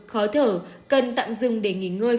khó thở cần tạm dừng để nghỉ ngơi